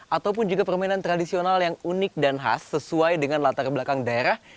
ataupun juga permainan tradisional yang unik dan khas sesuai dengan latar belakang daerah